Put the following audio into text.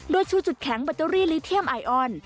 โดยชูจุดแข็งแบตเตอรี่ลิเทียมไอออน